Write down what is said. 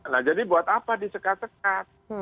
nah jadi buat apa disekat sekat